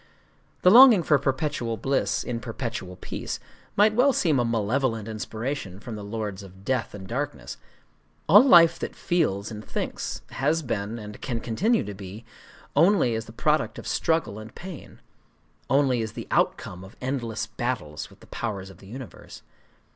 The longing for perpetual bliss in perpetual peace might well seem a malevolent inspiration from the Lords of Death and Darkness. All life that feels and thinks has been, and can continue to be, only as the product of struggle and pain,—only as the outcome of endless battle with the Powers of the Universe.